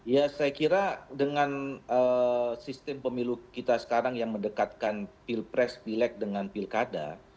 ya saya kira dengan sistem pemilu kita sekarang yang mendekatkan pilpres pileg dengan pilkada